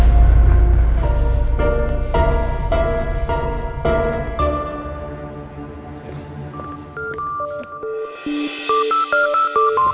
nino jangan lupa